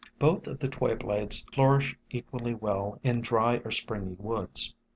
Both of the Twayblades flourish equally well in dry or springy woods.